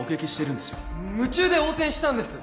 夢中で応戦したんです。